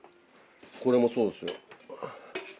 これもそうですよ。